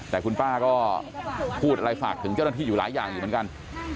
แต่คุณป้าก็พูดอะไรฝากถึงเจ้าหน้าที่อยู่หลายอย่างอยู่เหมือนกัน